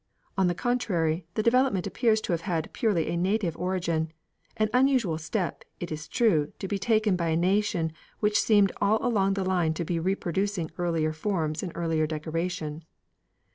On the contrary, the development appears to have had purely a native origin; an unusual step, it is true, to be taken by a nation which seemed all along the line to be reproducing earlier forms and earlier decoration.